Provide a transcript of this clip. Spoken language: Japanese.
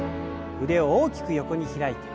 腕を大きく横に開いて。